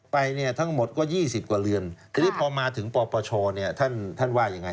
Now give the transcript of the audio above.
ไปทั้งหมดก็๒๐กว่าเรือนทีนี้พอมาถึงปปชท่านว่าอย่างไร